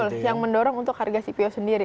betul yang mendorong untuk harga cpo sendiri